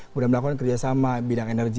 kemudian melakukan kerjasama bidang energi